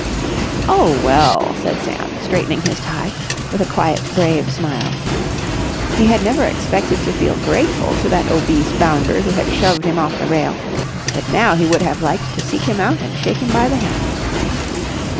"Oh, well!" said Sam, straightening his tie, with a quiet, brave smile. He had never expected to feel grateful to that obese bounder who had shoved him off the rail, but now he would have liked to seek him out and shake him by the hand.